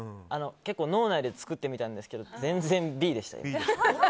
結構、脳内で作ってみたんですけど全然Ｂでしたね。